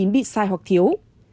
bị sai hoặc thiếu